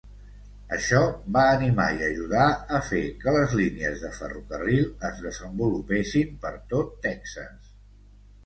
Això va animar i ajudar a fer que les línies de ferrocarril es desenvolupessin per tot Texas.